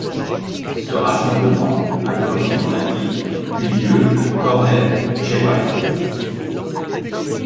Ce rassemblement a, comme son nom l'indique, eu lieu à Kornet Chehwan.